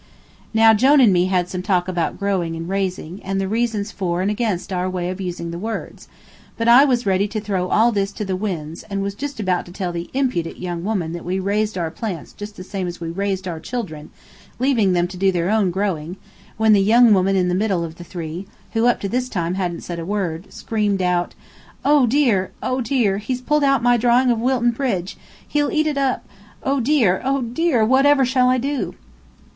Now Jone and me had some talk about growing and raising, and the reasons for and against our way of using the words; but I was ready to throw all this to the winds, and was just about to tell the impudent young woman that we raised our plants just the same as we raised our children, leaving them to do their own growing, when the young woman in the middle of the three, who up to this time hadn't said a word, screamed out: [Illustration: "AND WITH A SCREECH I DASHED AT THOSE HOGS LIKE A STEAM ENGINE"] "Oh, dear! Oh, dear! He's pulled out my drawing of Wilton Bridge. He'll eat it up. Oh, dear! Oh, dear! Whatever shall I do?"